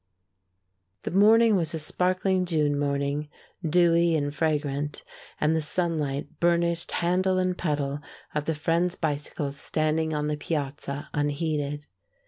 The morning was a sparkling June morning, dewy and fragrant, and the sunlight burnished handle and pedal of the friends' bicycles standing on the piazza unheeded.